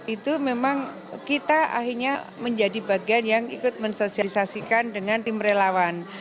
itu memang kita akhirnya menjadi bagian yang ikut mensosialisasikan dengan tim relawan